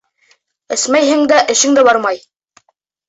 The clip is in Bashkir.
Эсмәйһең дә, эшең дә бармай.